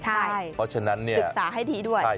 เพราะฉะนั้นศึกษาให้ดีด้วย